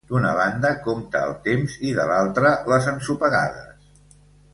D'una banda compta el temps i de l'altra les ensopegades.